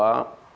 dpr itu adalah